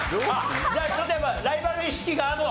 じゃあちょっとやっぱライバル意識があるの？